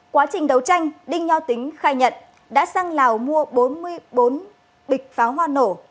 quá trình đấu tranh đinh nho tính khai nhận đã sang lào mua bốn mươi bốn bịch pháo hoa nổ